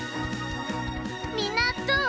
みんなどう？